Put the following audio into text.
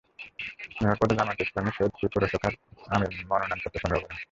Mayor পদে জামায়াতে ইসলামীর সৈয়দপুর পৌর শাখার আমির মনোনয়নপত্র সংগ্রহ করেন।